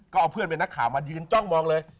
ก็เอาเพื่อนเป็นนักข่าวมายืนจ้องมองเลย